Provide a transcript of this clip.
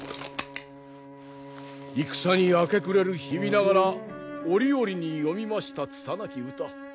戦に明け暮れる日々ながら折々に詠みました拙き歌。